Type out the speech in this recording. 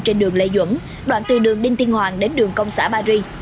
trên đường lê duẩn đoạn từ đường đinh tiên hoàng đến đường công xã paris